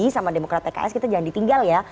sama demokrat pks kita jangan ditinggal ya